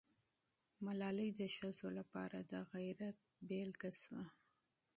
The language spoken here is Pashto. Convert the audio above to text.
ملالۍ د ښځو لپاره د غیرت نمونه سوه.